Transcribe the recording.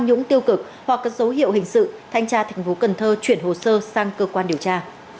nhũng tiêu cực hoặc có dấu hiệu hình sự thanh tra thành phố cần thơ chuyển hồ sơ sang cơ quan điều tra